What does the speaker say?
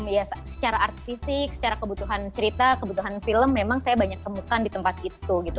ya secara art fisik secara kebutuhan cerita kebutuhan film memang saya banyak temukan di tempat itu gitu